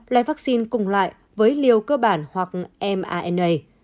loại vaccine cùng loại với liều cơ bản hoặc mrna